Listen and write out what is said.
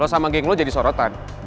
lo sama geng lo jadi sorotan